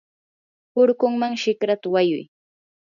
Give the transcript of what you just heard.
hurkunman shikrata wayuy.